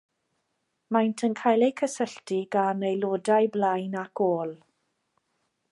Maent yn cael eu cysylltu gan aelodau blaen ac ôl.